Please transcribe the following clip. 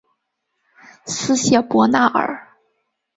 斯谢伯纳尔。